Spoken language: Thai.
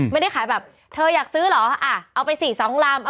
ไม่ได้ขายแบบเธอยากซื้อหรอเอาไปสี่สองลำ